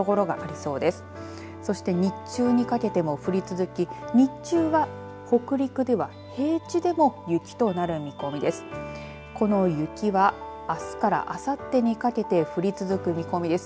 そして日中にかけても降り続き日中は北陸では平地でも雪となる見込みです。